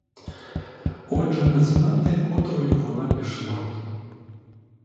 Отже, не знати, котрою вона пішла.